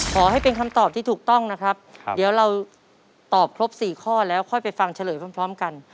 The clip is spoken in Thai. ขอให้เป็นคำตอบที่ถูกต้องนะครับเดี๋ยวเราตอบครบ๔ข้อแล้วค่อยไปฟังเฉลยพร้อมกัน